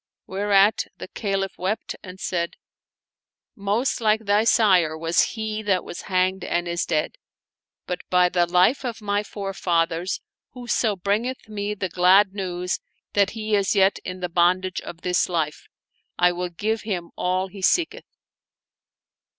Whereat the Caliph wept and said, " Most like thy sire was he that was hanged and is dead; but by the life of my forefathers, whoso bringeth me the glad news that he is yet in the bondage of this life, I will give him all he seekcth